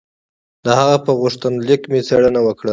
د هغه په غوښتنلیک مې څېړنه وکړه.